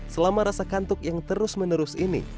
selama rasa kantuk yang terus menerus ini